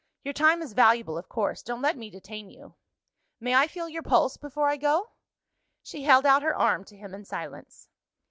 "Your time is valuable of course. Don't let me detain you." "May I feel your pulse before I go?" She held out her arm to him in silence.